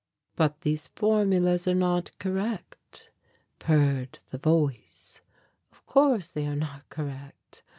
"But these formulas are not correct," purred the voice, "of course, they are not correct.